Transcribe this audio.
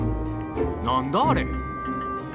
何だあれ。